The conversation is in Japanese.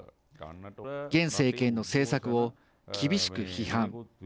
現政権の政策を厳しく批判。